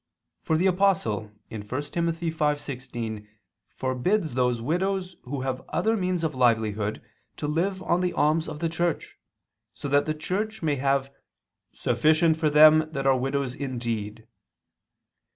For the Apostle (1 Tim. 5:16) forbids those widows who have other means of livelihood to live on the alms of the Church, so that the Church may have "sufficient for them that are widows indeed."